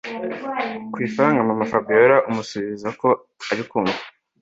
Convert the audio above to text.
kwifaranga mama fabiora amusubiza ko arikumva